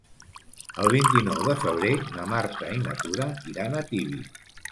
El vint-i-nou de febrer na Marta i na Tura iran a Tibi.